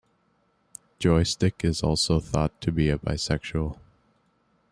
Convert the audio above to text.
Joystick is also thought to be a bisexual.